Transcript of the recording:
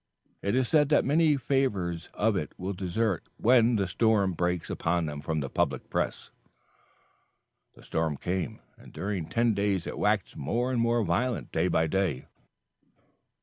It is said that many favorers of it will desert when the storm breaks upon them from the public press." The storm came, and during ten days it waxed more and more violent day by day.